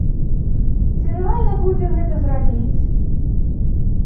Ці рэальна будзе гэта зрабіць?